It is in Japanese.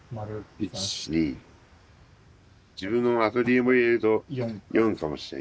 １２自分のアトリエも入れると４かもしれん。